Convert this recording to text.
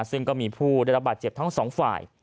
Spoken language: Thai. ซึ่งก็มีผู้ได้รับบาดเจ็บทั้งสองฝ่าย